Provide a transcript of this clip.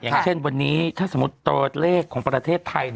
อย่างเช่นวันนี้ถ้าสมมุติตัวเลขของประเทศไทย